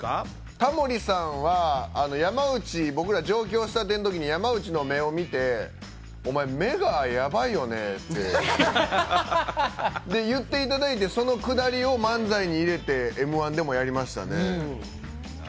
タモリさんは僕ら上京したての時に、山内の目を見て、お前、目がやばいよねって言っていただいて、そのくだりを漫才に入れて、『Ｍ−１』でもやりましたね。